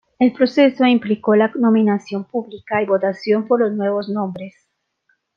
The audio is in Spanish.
El proceso implicó la nominación pública y votación por los nuevos nombres.